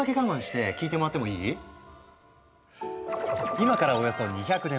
今からおよそ２００年前。